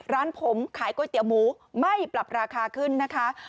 ร้านผมขายก๋วยเตี๋ยวหมูไม่ปรับราคาขึ้นนะคะ